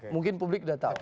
mungkin publik sudah tahu